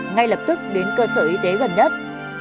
ngay lập tức đến cơ sở y tế gần nhất